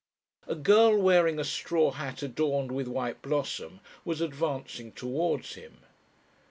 A girl, wearing a straw hat adorned with white blossom, was advancing towards him.